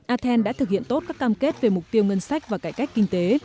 athens đã thực hiện tốt các cam kết về mục tiêu ngân sách và cải cách kinh tế